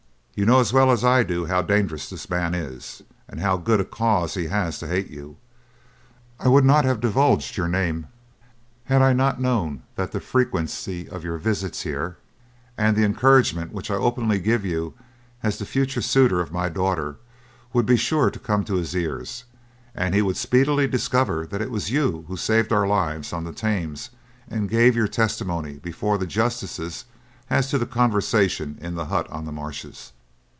"You know as well as I do how dangerous this man is, and how good a cause he has to hate you. I would not have divulged your name had I not known that the frequency of your visits here and the encouragement which I openly give you as the future suitor of my daughter, would be sure to come to his ears, and he would speedily discover that it was you who saved our lives on the Thames and gave your testimony before the justices as to the conversation in the hut on the marshes.